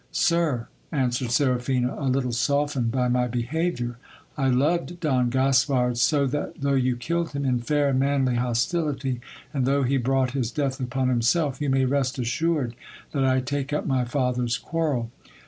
Sir, answered Seraphina, a little softened by my behaviour, I loved Don Gaspard, so that though you killed him in fair and manly hostility, and though he brought his death upon himself, you may rest assured that I take up my father's quarrel.